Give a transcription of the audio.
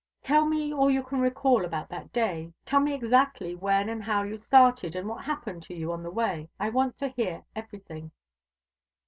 "Tell me all you can recall about that day. Tell me exactly when and how you started, and what happened to you on the way. I want to hear everything."